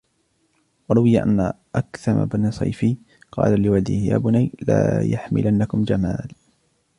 وَرُوِيَ أَنَّ أَكْثَمَ بْنَ صَيْفِيٍّ قَالَ لِوَلَدِهِ يَا بُنَيَّ لَا يَحْمِلَنَّكُمْ جَمَالُ